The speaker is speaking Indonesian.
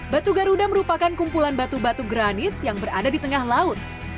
batu garuda merupakan kumpulan batu batu granit yang berada di tengah laut